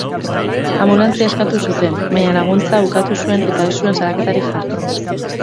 Anbulantzia eskatu zuten, baina laguntza ukatu zuen eta ez zuen salaketarik jarri.